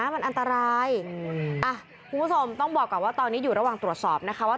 มันอันตรายคุณผู้ชมต้องบอกก่อนว่าตอนนี้อยู่ระหว่างตรวจสอบนะคะว่า